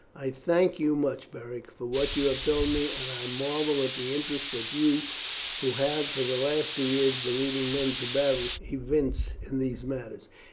"I thank you much, Beric, for what you have told me, and I marvel at the interest that you, who have for the last two years been leading men to battle, evince in these matters.